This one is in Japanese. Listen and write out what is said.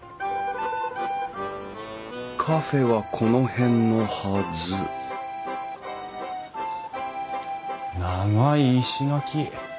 カフェはこの辺のはず長い石垣。